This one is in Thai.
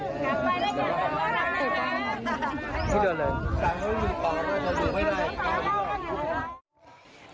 อยู่ต่ออยู่ต่อ